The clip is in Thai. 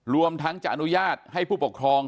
รวมทั้งจะอนุญาตให้ผู้ปกครอง